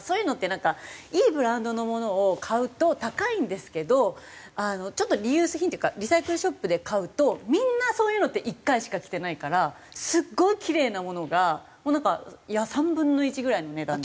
なんかいいブランドのものを買うと高いんですけどちょっとリユース品っていうかリサイクルショップで買うとみんなそういうのって１回しか着てないからすごいキレイなものがなんか３分の１ぐらいの値段で売ってたり。